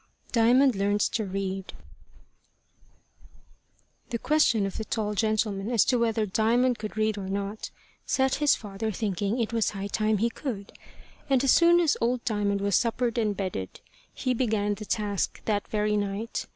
DIAMOND LEARNS TO READ THE question of the tall gentleman as to whether Diamond could read or not set his father thinking it was high time he could; and as soon as old Diamond was suppered and bedded, he began the task that very night.